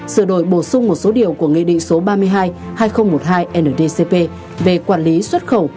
sửa đổi bổ sung một số điều của nghị định số ba mươi hai hai nghìn một mươi hai ndcp về quản lý xuất khẩu